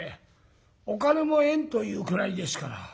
お金も「円」というくらいですから。